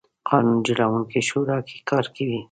قانون جوړوونکې شورا کې کار کوي.